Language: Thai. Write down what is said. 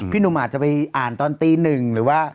พี่นุมาจะไปอ่านตอนตี๑หรือว่า